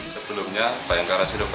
sebelumnya bayangkara sudokai